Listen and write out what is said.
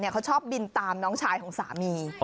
เขาชอบบินตามน้องชายของสามี